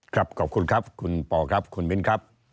ขอบคุณครับคุณปอครับคุณมิ้นครับ